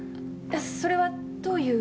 それはどういう？